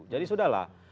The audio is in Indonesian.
jadi sudah lah